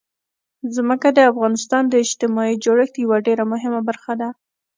ځمکه د افغانستان د اجتماعي جوړښت یوه ډېره مهمه برخه ده.